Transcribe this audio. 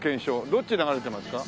どっちに流れてますか？